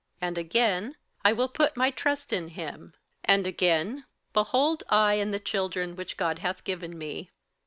58:002:013 And again, I will put my trust in him. And again, Behold I and the children which God hath given me.